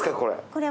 これ。